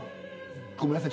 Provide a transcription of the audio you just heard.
ごめんなさい。